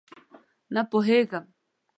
_نه پوهېږم.